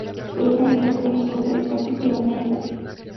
Los dos marineros suben a un globo aerostático y abandonan el buque.